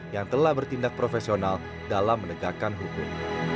yang telah bertindak profesional dalam menegakkan hukum